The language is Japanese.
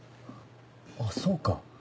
あっそうか。